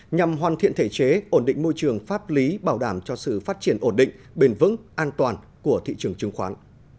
nhằm hoàn thiện thể chế ổn định môi trường pháp lý bảo đảm cho sự phát triển ổn định bền vững an toàn của thị trường chứng khoán